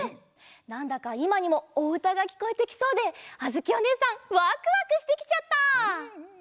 なんだかいまにもおうたがきこえてきそうであづきおねえさんワクワクしてきちゃった！